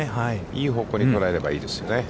いい方向に捉えればいいですよね。